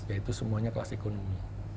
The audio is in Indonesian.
yaitu semuanya kelas ekonomi